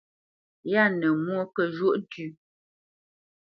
Yâ nə mwô kə zhwóʼ ntʉ́.